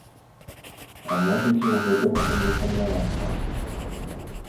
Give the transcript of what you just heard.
Можаце ў гэтым не сумнявацца.